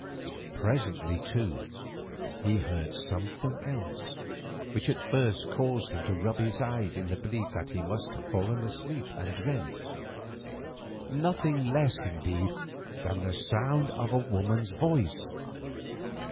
Presently, too, he heard something else, which at first caused him to rub his eyes in the belief that he must have fallen asleep and dreamt; nothing less, indeed, than the sound of a woman's voice.